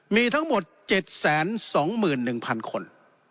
มีทั้งหมด๗๒๑๐๐๐คน